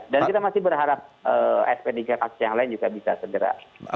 dan kita masih berharap sp tiga kasus yang lain juga bisa segera